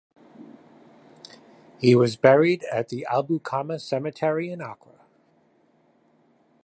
He was buried at the Ablekuma cemetery in Accra.